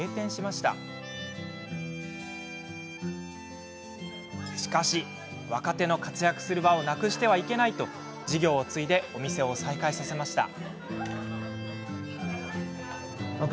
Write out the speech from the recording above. しかし、若手の活躍する場をなくしてはいけないと事業を継いでお店を再開させました。